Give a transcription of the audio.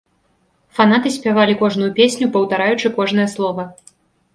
Фанаты спявалі кожную песню, паўтараючы кожнае слова.